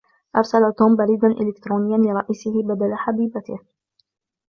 أرسل توم بريدًا إلكترونيًّا لرئيسه بدل حبيبته.